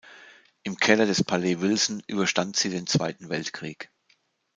Im Keller des Palais Wilson überstand sie den Zweiten Weltkrieg.